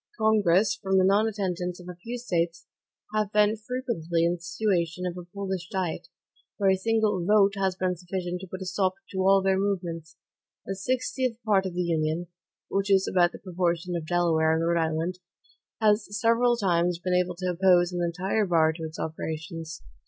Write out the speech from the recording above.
Congress, from the nonattendance of a few States, have been frequently in the situation of a Polish diet, where a single VOTE has been sufficient to put a stop to all their movements. A sixtieth part of the Union, which is about the proportion of Delaware and Rhode Island, has several times been able to oppose an entire bar to its operations.